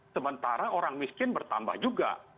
sementara orang miskin bertambah juga